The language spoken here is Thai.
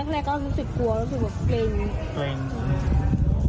ตอนแรกก็รู้สึกกลัวรู้สึกแบบเกรง